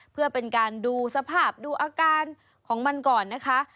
เพื่อเป็นการดูสภาพดูอาการของมันก่อนนะคะ